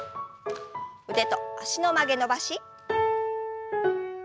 腕と脚の曲げ伸ばし。